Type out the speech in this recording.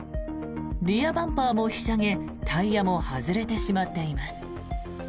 リヤバンパーもひしゃげタイヤも外れてしまっています。